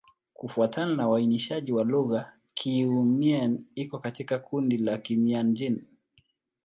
Kufuatana na uainishaji wa lugha, Kiiu-Mien iko katika kundi la Kimian-Jin.